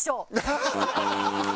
ハハハハ！